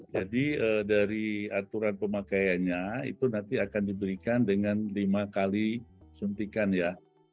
dari aturan pemakaiannya itu nanti akan diberikan dengan lima kali suntikan ya